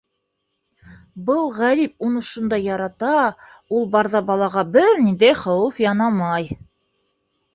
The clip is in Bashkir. Был ғәрип уны шундай ярата, ул барҙа балаға бер ниндәй хәүеф янамай!